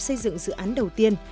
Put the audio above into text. xây dựng dự án đầu tiên